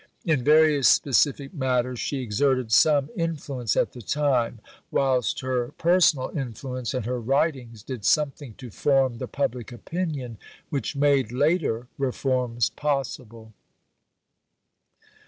In various specific matters she exerted some influence at the time; whilst her personal influence and her writings did something to form the public opinion which made later reforms possible.